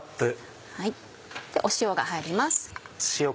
塩が入ります。